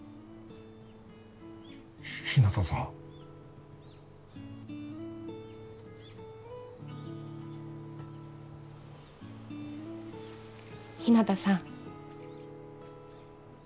ひ日向さん日向さん